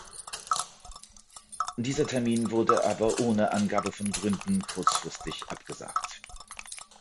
Dieser Termin wurde aber ohne Angabe von Gründen kurzfristig abgesagt.